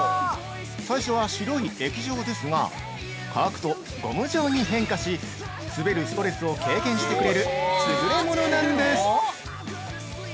最初は白い液状ですが乾くとゴム状に変化し滑るストレスを軽減してくれる優れものなんです。